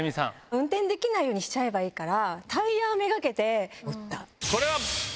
運転できないようにしちゃえばいいから。